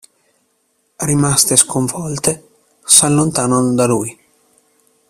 Rimaste sconvolte s'allontanano da lui.